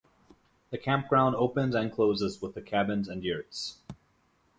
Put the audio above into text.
The campground opens and closes with the cabins and yurts.